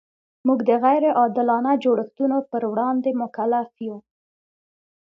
موږ د غیر عادلانه جوړښتونو پر وړاندې مکلف یو.